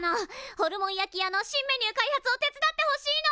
ホルモン焼き屋の新メニュー開発を手伝ってほしいの！